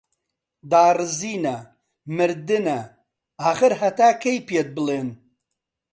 داڕزینە، مردنە، ئاخر هەتا کەی پێت بڵێن